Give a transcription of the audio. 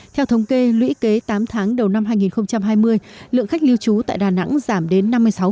theo thống kê lũy kế tám tháng đầu năm hai nghìn hai mươi lượng khách lưu trú tại đà nẵng giảm đến năm mươi sáu